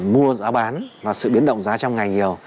mua giá bán và sự biến động giá trong ngày nhiều